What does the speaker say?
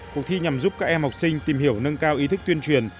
cuộc thi nhằm giúp các em học sinh tìm hiểu nâng cao ý thức tuyên truyền